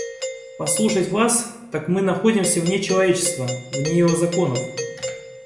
Послушать вас, так мы находимся вне человечества, вне его законов.